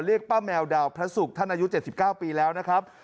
เรียกป้าแมวดาวพระศุกร์ท่านอายุ๗๙ปีแล้วนะครับ